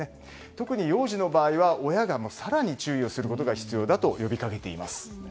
特に幼児の場合は、親が更に注意をすることが必要だと呼びかけています。